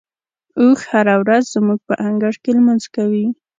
اوښ هره ورځ زموږ په انګړ کې لمونځ کوي.